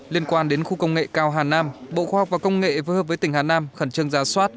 liên quan đến khu công nghệ cao hà nam bộ khoa học và công nghệ với hợp với tỉnh hà nam khẩn trương ra soát